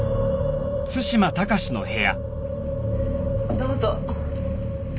どうぞ。